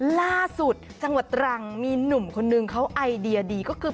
ล่าสุดจังหวัดตรังมีหนุ่มคนนึงเขาไอเดียดีก็คือ